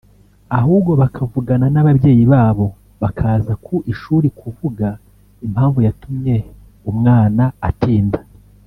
ahubwo bakavugana n’ababyeyi babo bakaza ku ishuri kuvuga impamvu yatumye umwana atinda